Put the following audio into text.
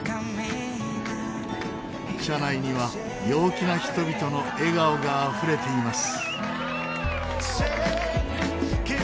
車内には陽気な人々の笑顔があふれています。